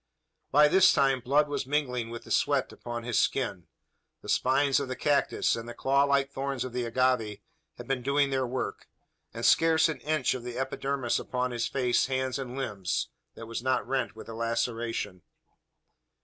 By this time, blood was mingling with the sweat upon his skin. The spines of the cactus, and the clawlike thorns of the agave, had been doing their work; and scarce an inch of the epidermis upon his face, hands, and limbs, that was not rent with a laceration.